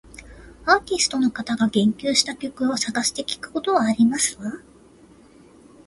アーティストの方が言及した曲を探して聞くことはありますわ